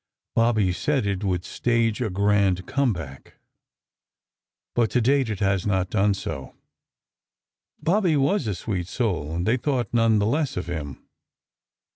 Bobby said it would "stage a grand come back," but to date it has not done so. Bobby was a sweet soul, and they thought none the less of him.